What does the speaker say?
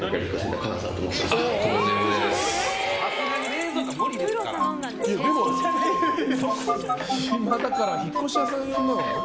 暇だから引っ越し屋さん呼んだの？